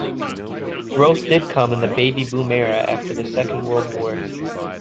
Growth did come in the "Baby Boom" era after the Second World War.